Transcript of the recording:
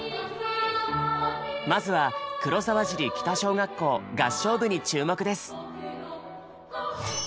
まずは黒沢尻北小学校合唱部に注目です。